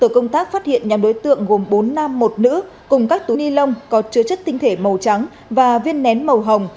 công tác phát hiện nhóm đối tượng gồm bốn nam một nữ cùng các túi ni lông có chứa chất tinh thể màu trắng và viên nén màu hồng